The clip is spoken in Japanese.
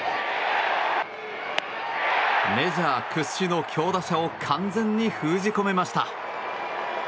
メジャー屈指の強打者を完全に封じ込めました。